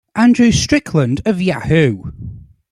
Andrew Strickland of Yahoo!